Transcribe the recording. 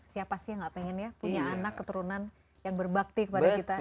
siapa sih yang gak pengen ya punya anak keturunan yang berbakti kepada kita